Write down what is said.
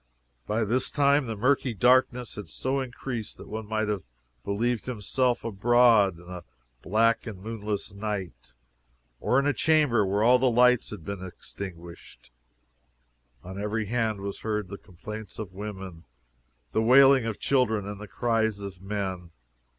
'By this time the murky darkness had so increased that one might have believed himself abroad in a black and moonless night, or in a chamber where all the lights had been extinguished. On every hand was heard the complaints of women, the wailing of children, and the cries of men.